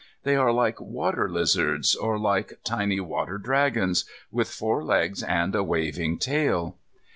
They are like water lizards, or like tiny water dragons, with four legs and a waving tail.